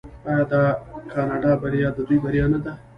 آیا د کاناډا بریا د دوی بریا نه ده؟